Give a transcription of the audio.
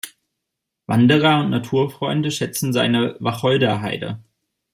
Wanderer und Naturfreunde schätzen seine Wacholderheide.